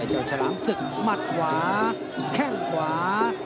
เจ้าฉลามศึกหมัดขวาแข้งขวา